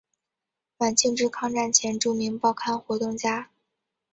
晚清至抗战前著名报刊活动家。